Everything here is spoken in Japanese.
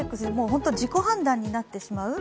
本当に自己判断になってしまう。